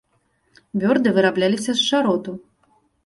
Бёрды вырабляліся з чароту.